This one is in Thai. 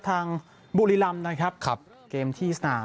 บุรีรำนะครับขับเกมที่สนาม